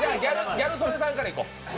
ギャル曽根さんからいこう。